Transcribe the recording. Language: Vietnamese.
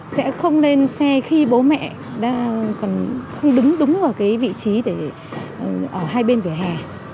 sẽ không lên xe khi bố mẹ không đứng đúng ở cái vị trí để ở hai bên vỉa hè